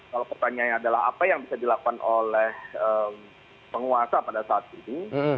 kalau pertanyaannya adalah apa yang bisa dilakukan oleh penguasa pada saat ini